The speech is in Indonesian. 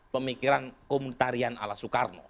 pemikiran komunitarian ala soekarno